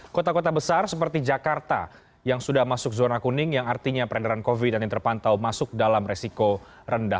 kota kota besar seperti jakarta yang sudah masuk zona kuning yang artinya perenderan covid sembilan belas yang terpantau masuk dalam resiko rendah